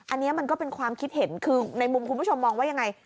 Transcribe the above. อันนี้มันก็เป็นความคิดเห็นคือในมุมคุณผู้ชมมองว่ายังไง